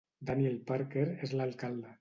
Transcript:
Daniel Parker és l'alcalde.